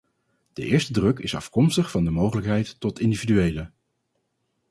De eerste druk is afkomstig van de mogelijkheid tot individuele .